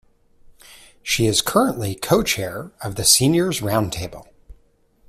She is currently co-chair of the Seniors' Roundtable.